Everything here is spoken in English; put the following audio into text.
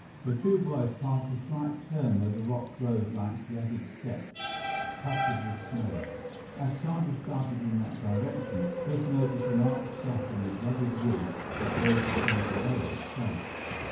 The two boys passed a slight turn where the rocks rose like jagged steps, tufted with snow. As Chandra started in that direction, Biff noticed an arched gap in the jagged wall that rose beside the ledge itself.